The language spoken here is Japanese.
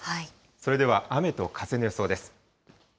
それでは雨と風の予想です。